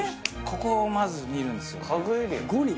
ここをまず見るんすよね